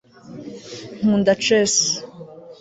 nkunda chess